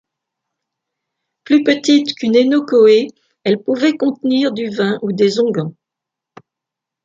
Plus petite qu'une œnochoé, elle pouvait contenir du vin ou des onguents.